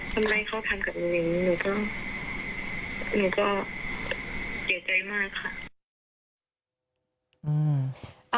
ทำไมเขาทำกับหนูอย่างนี้หนูก็หนูก็เสียใจมากค่ะ